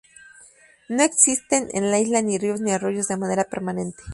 No existen en la isla ni ríos ni arroyos de manera permanente.